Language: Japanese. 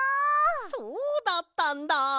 そうだったんだ！